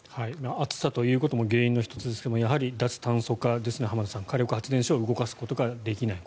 暑さということも原因の１つですがやはり脱炭素化ですね浜田さん火力発電所を動かすことができない